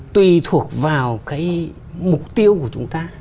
tùy thuộc vào cái mục tiêu của chúng ta